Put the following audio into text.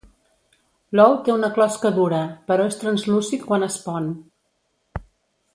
L'ou té una closca dura, però és translúcid quan es pon.